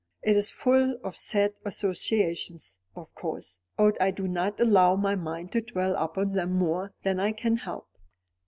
It is full of sad associations, of course, but I do not allow my mind to dwell upon them more than I can help."